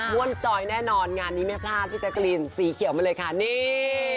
วนจอยแน่นอนงานนี้ไม่พลาดพี่แจ๊กรีนสีเขียวมาเลยค่ะนี่